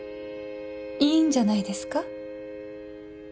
いいんじゃないですか。